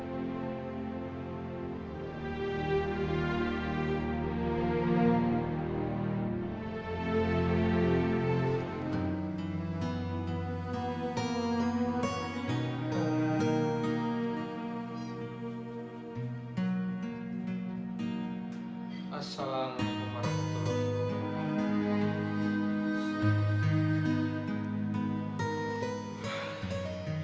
assalamualaikum warahmatullahi wabarakatuh